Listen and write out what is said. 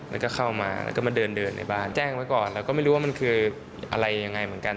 แล้วก็เข้ามาแล้วก็มาเดินเดินในบ้านแจ้งไว้ก่อนแล้วก็ไม่รู้ว่ามันคืออะไรยังไงเหมือนกัน